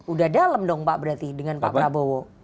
udah dalam dong pak berarti dengan pak prabowo